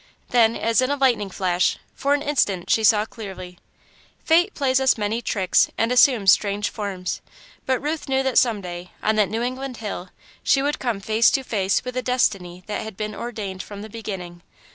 Then, as in a lightning flash, for an instant she saw clearly. Fate plays us many tricks and assumes strange forms, but Ruth knew that some day, on that New England hill, she would come face to face with a destiny that had been ordained from the beginning.